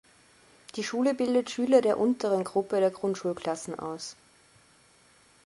Die Schule bildet Schüler der unteren Gruppe der Grundschulklassen aus.